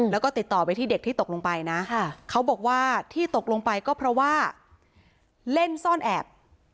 แล้วก็ติดต่อไปที่เด็กที่ตกลงไปนะเขาบอกว่าที่ตกลงไปก็เพราะว่าเล่นซ่อนแอบ